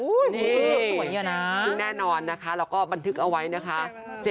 นี่นี่แน่นอนนะคะแล้วก็บันทึกเอาไว้นะคะ